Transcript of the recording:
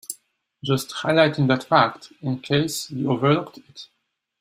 Just highlighting that fact in case you overlooked it.